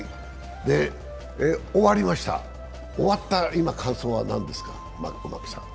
終わりました、終わった今感想は何ですか、マキさん。